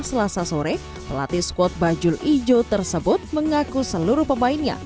selasa sore pelatih squad bajul ijo tersebut mengaku seluruh pemainnya